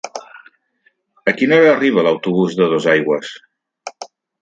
A quina hora arriba l'autobús de Dosaigües?